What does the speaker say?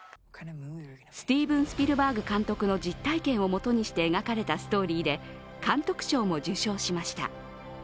スティーブン・スピルバーグ監督の実体験をもとにして描かれたストーリーで監督賞も受賞しました。